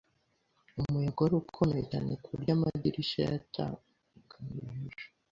Umuyaga wari ukomeye cyane ku buryo amadirishya yaton ngamijeye.